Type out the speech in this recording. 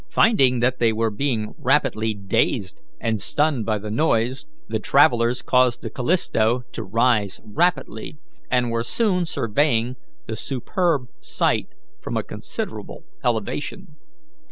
Finding that they were being rapidly dazed and stunned by the noise, the travellers caused the Callisto to rise rapidly, and were soon surveying the superb sight from a considerable elevation.